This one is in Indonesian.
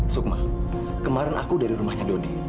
sukma kemarin aku dari rumahnya dodi